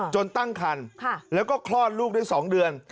ตั้งคันแล้วก็คลอดลูกได้๒เดือน